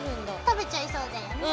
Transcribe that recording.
食べちゃいそうだよね。